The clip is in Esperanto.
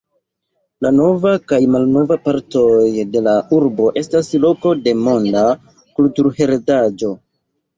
La nova kaj malnova partoj de la urbo estas loko de Monda kulturheredaĵo.